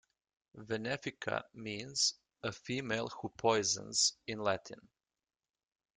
"Venefica" means "a female who poisons" in Latin.